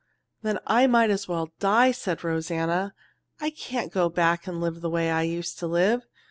"Then I might as well die," said Rosanna. "I can't go back and live the way I used to live.